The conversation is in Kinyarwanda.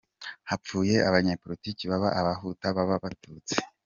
Hapfuye abanyepolitiki, baba abahutu baba abatutsi.